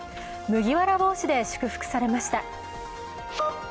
麦わら帽子で祝福されました。